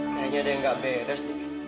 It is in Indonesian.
kayaknya ada yang nggak beres